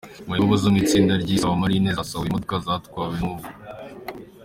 Mayibobo zo mu itsinda ryiyise “Abamarine” zasahuye imodoka zatwawe n’umuvu